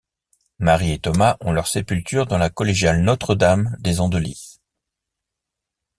Marie et Thomas ont leur sépulture dans la Collégiale Notre-Dame des Andelys.